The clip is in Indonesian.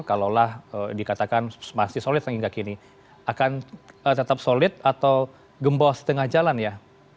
kalaulah dikatakan masih solid yang hingga kini akan tetap solid atau gembos setengah jalan ya